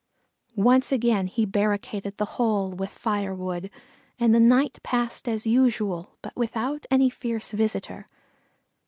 Once again he barricaded the hole with firewood, and the night passed as usual, but without any fierce visitor.